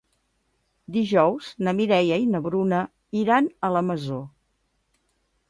Dijous na Mireia i na Bruna iran a la Masó.